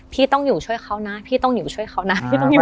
พี่ต้องอยู่ช่วยเขานะพี่ต้องอยู่ช่วยเขานะ